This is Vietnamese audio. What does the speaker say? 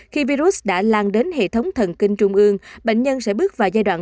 khi virus đã lan đến hệ thống thần kinh trung ương bệnh nhân sẽ bước vào giai đoạn